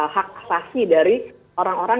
hak asasi dari orang orang